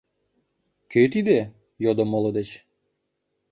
— Кӧ тиде? — йодо моло деч.